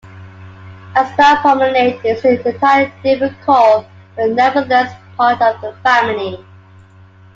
A Star Promenade is an entirely different call but nevertheless part of the family.